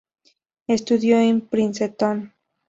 Estudió en Princeton.